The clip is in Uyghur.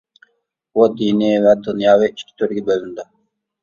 بۇ دىنىي ۋە دۇنياۋى ئىككى تۈرگە بۆلۈنىدۇ.